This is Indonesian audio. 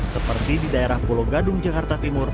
seperti di daerah pulau gadung jakarta timur